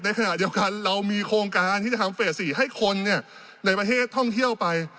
ในขณะเดียวกันเรามีโครงการที่จะทำเฟส๔ให้คนในประเทศท่องเที่ยวไป